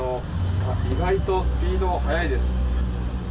意外とスピード速いです。